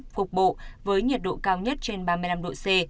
cục bộ với nhiệt độ cao nhất trên ba mươi năm độ c